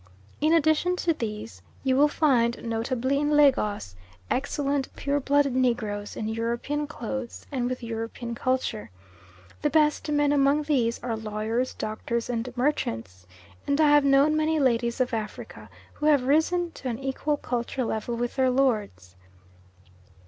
In addition to these, you will find, notably in Lagos, excellent pure blooded Negroes in European clothes, and with European culture. The best men among these are lawyers, doctors, and merchants, and I have known many ladies of Africa who have risen to an equal culture level with their lords.